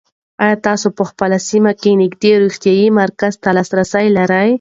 آیا تاسو په خپله سیمه کې نږدې روغتیایي مرکز ته لاسرسی لرئ؟